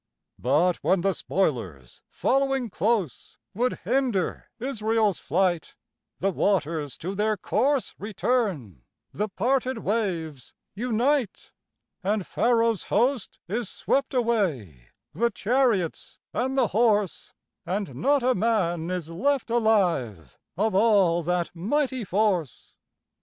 But, when the spoilers, following close, Would hinder Israel's flight, The waters to their course return, The parted waves unite, And Pharaoh's host is swept away, The chariots and the horse; And not a man is left alive Of all that mighty force.